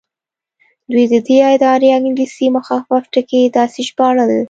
دوی د دې ادارې انګلیسي مخفف ټکي داسې ژباړل.